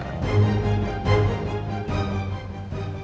lo udah ngerti apa